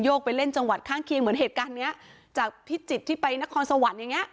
ไปเล่นจังหวัดข้างเคียงเหมือนเหตุการณ์เนี้ยจากพิจิตรที่ไปนครสวรรค์อย่างเงี้